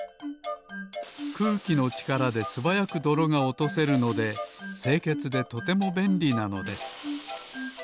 くうきのちからですばやくどろがおとせるのでせいけつでとてもべんりなのです